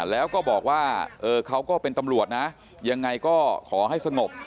แล้วก็บอกว่าเขาก็เป็นตำรวจนะยังไงก็ขอให้สงบ